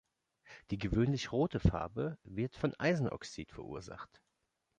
Die gewöhnlich rote Farbe wird von Eisenoxid verursacht.